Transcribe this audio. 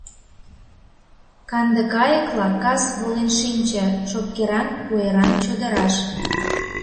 Канде кайыкла кас волен шинче шопкеран, куэран чодыраш.